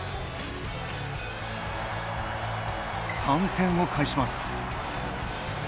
３点を返します。